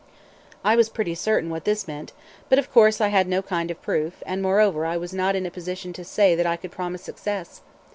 I was pretty certain what this meant, but of course I had no kind of proof, and moreover I was not in a position to say that I could promise success.